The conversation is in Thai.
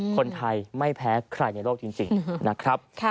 คนไทยไม่แพ้ใครในโลกจริงนะครับ